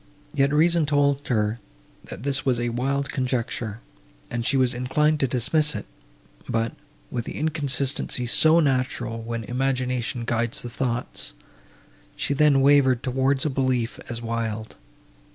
Yet reason told her, that this was a wild conjecture, and she was inclined to dismiss it; but, with the inconsistency so natural, when imagination guides the thoughts, she then wavered towards a belief as wild.